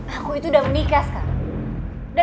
aku itu udah menikah sekarang